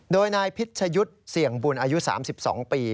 โดยนายพิชยุทธ์เสี่ยงบุญอายุ๓๒ปี